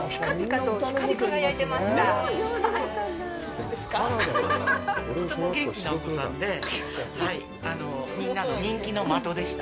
とても元気なお子さんでみんなの人気の的でした。